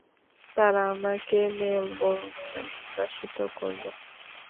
তারা আমাকে মেলবোর্নে নির্বাসিত করল।